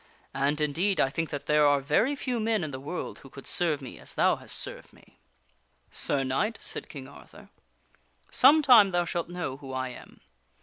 And, in deed, I think that there are very few men in the world who could serve me as thou hast served me." " Sir Knight," said King Arthur, " some time thou shalt know who I am.